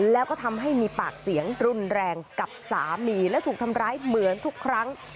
แล้วก็ทำให้มีปากเสียงรุนแรงกับสามีและถูกทำร้ายเหมือนทุกครั้ง